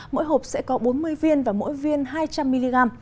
mỗi hộp sẽ có bốn mươi viên và mỗi viên hai trăm linh mg